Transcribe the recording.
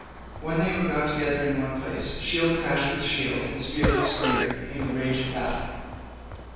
When they were got together in one place shield clashed with shield and spear with spear in the rage of battle.